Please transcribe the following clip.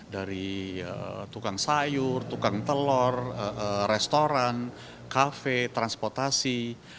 dari tukang sayur tukang telur restoran kafe transportasi